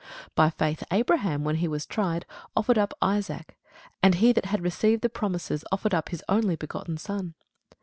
By faith Abraham, when he was tried, offered up Isaac: and he that had received the promises offered up his only begotten son.